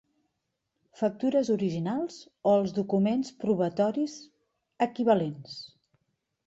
Factures originals o els documents probatoris equivalents.